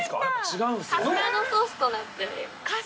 カスタードソースとなっております。